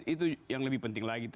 itu yang lebih penting lagi